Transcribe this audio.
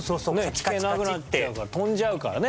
聴けなくなっちゃうから飛んじゃうからね。